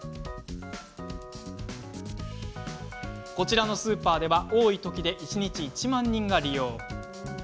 こちらのスーパーでは多いときで１日１万人が利用。